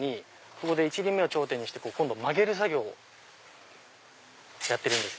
ここで１輪目を頂点にして今度曲げる作業をやってるんです。